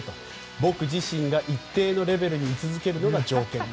僕自身が一定のレベルに居続けるのが条件だと。